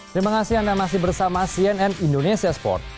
terima kasih anda masih bersama cnn indonesia sport